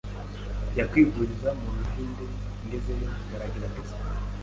njya kwivuriza mu buhinde, ngezeyo baragerageza